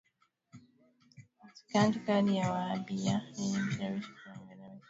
Itikadi kali ya Wahabiya ilimshawishi kuangalia Waislamu Washia